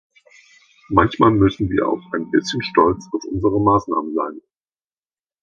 Manchmal müssen wir auch ein bisschen stolz auf unsere Maßnahmen sein.